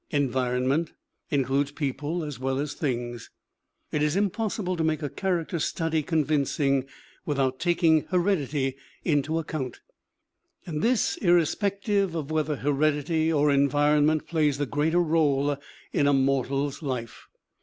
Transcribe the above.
Environment in cludes people as well as things. It is impossible to make a character study convinc ing without taking heredity into account, and this 8o THE WOMEN WHO MAKE OUR NOVELS irrespective of whether heredity or environment plays the greater role in a mortal's life.